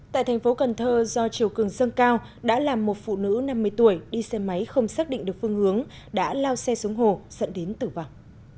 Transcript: tại thành phố cần thơ do chiều cường dâng cao đã làm một phụ nữ năm mươi tuổi đi xe máy không xác định được phương hướng đã lao xe xuống hồ dẫn đến tử vọng